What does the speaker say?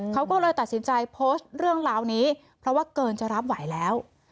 เขาก็เลยตัดสินใจโพสต์เรื่องราวนี้เพราะว่าเกินจะรับไหวแล้ว